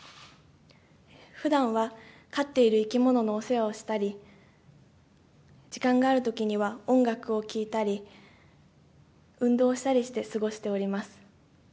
ふだんは、飼っている生き物のお世話をしたり、時間があるときには音楽を聴いたり、運動したりして過ごしております。